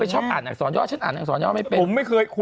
ฮะตอนนี้แน่